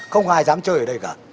không ai dám chơi ở đây cả